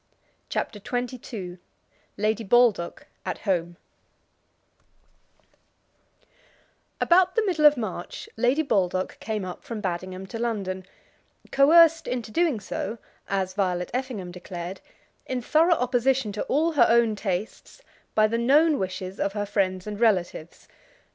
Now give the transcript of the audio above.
CHAPTER XXII Lady Baldock at Home About the middle of March Lady Baldock came up from Baddingham to London, coerced into doing so, as Violet Effingham declared, in thorough opposition to all her own tastes, by the known wishes of her friends and relatives.